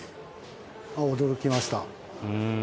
驚きました。